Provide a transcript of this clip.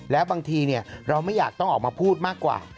แล้วบางทีเราไม่อยากต้องออกมาพูดมากกว่า